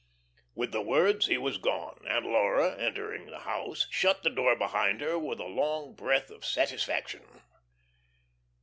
With the words he was gone, and Laura, entering the house, shut the door behind her with a long breath of satisfaction.